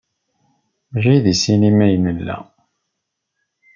Maci deg ssinima ay nella.